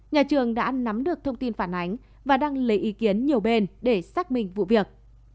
nhà trường đã nắm được thông tin phản ánh và đăng lấy ý kiến nhiều bên để xác minh vụ việc